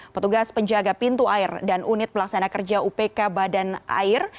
petugas penjaga pintu air dan unit pelaksana kerja upk badan air